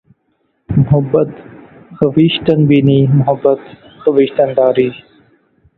محبت خویشتن بینی محبت خویشتن داری